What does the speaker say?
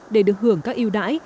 để được hưởng các yêu đãi